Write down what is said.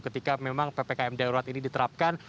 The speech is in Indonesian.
ketika ppkm daerah ini diterapkan